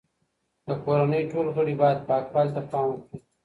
د کورنۍ ټول غړي باید پاکوالي ته پام وکړي.